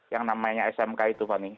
yang namanya smk itu fani